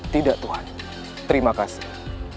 tidak tuan terima kasih